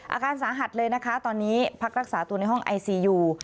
อาการสาหัสเลยนะคะตอนนี้พักรักษาตัวในห้องไอซียู